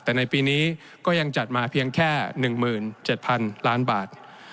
แต่ในปีนี้ก็ยังจัดมาเพียงแค่๑๗๐๐๐ล้านบาท